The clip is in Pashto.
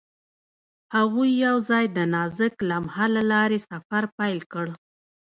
هغوی یوځای د نازک لمحه له لارې سفر پیل کړ.